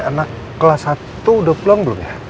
anak kelas satu udah pulang belum ya